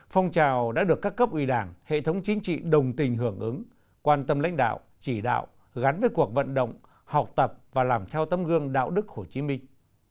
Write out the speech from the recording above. phong trào đã được các cấp ủy đảng hệ thống chính trị đồng tình hưởng ứng quan tâm lãnh đạo chỉ đạo gắn với cuộc vận động học tập và làm theo tấm gương đạo đức hồ chí minh